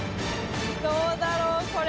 どうだろうこれ。